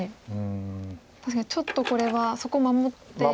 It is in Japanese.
確かにちょっとこれはそこ守っていると。